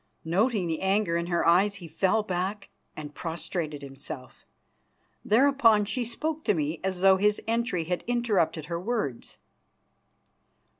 Noting the anger in her eyes, he fell back and prostrated himself. Thereupon she spoke to me as though his entry had interrupted her words.